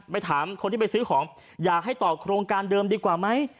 ถามคนที่ไปซื้อของอยากให้ตอบโครงการเดิมดีกว่าไหม